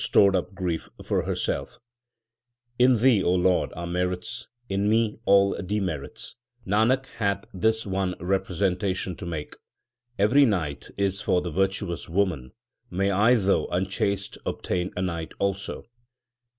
LIFE OF GURU NANAK 75 In Thee, Lord, are merits ; in me all demerits : Nanak hath this one representation to make. Every night is for the virtuous woman ; may I though unchaste obtain a night also